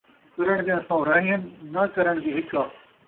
کرݨ دیاں سو راہیں ہن ، ناں کرݨ دی ہکا